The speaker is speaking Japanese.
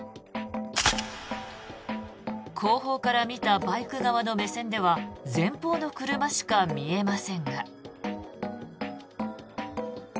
後方から見たバイク側からの目線では前方の車しか見えませんが。